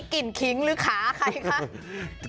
กลิ่นขิงหรือขาใครคะ